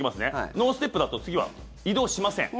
ノーステップだと次は、移動しません。